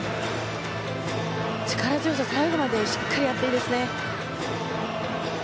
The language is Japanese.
力強さ最後までしっかりあっていいですね。